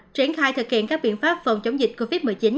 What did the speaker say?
triển khai thực hiện các biện pháp phòng chống dịch covid một mươi chín